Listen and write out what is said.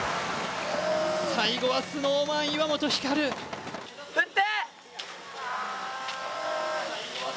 最後はＳｎｏｗＭａｎ・岩本照振って。